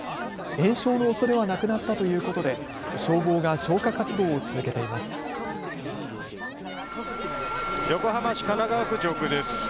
延焼のおそれはなくなったということで消防が消火活動を続けています。